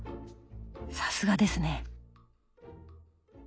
さすがですね。